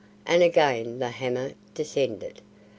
and again the hammer descended.